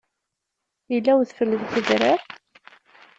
Yella udfel deg udrar?